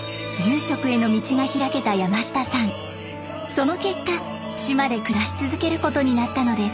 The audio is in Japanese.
その結果島で暮らし続けることになったのです。